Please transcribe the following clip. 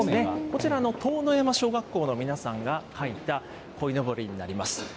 こちら、塔山小学校の皆さんが描いたこいのぼりになります。